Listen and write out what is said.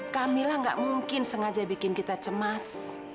camilla gak mungkin sengaja bikin kita cemas